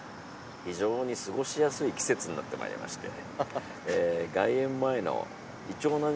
非常に過ごしやすい季節になってまいりまして。